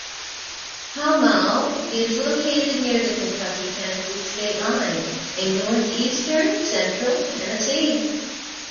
Pall Mall is located near the Kentucky-Tennessee state-line in northeastern-central Tennessee.